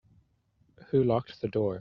Who locked the door?